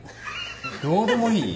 どうでもいい？